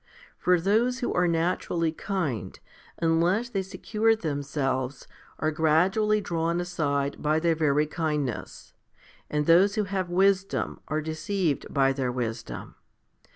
For those who are naturally kind, unless they secure them selves, are gradually drawn aside by their very kindness ; and those who have wisdom are deceived by their wisdom.